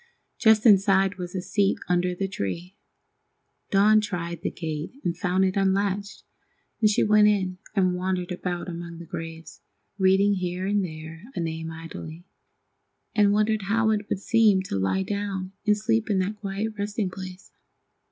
Just inside was a seat under the tree. Dawn tried the gate and found it unlatched, and she went in and wandered about among the graves, reading here and there a name idly, and wondering how it would seem to lie down and sleep in that quiet resting place.